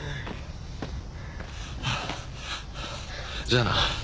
じゃあな。